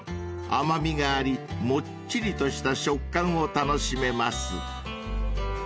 ［甘味がありもっちりとした食感を楽しめます］